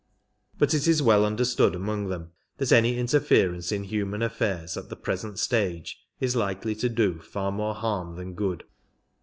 But it is well understood among them that any interference in human affairs at the present stage is likely to do far more harm than good.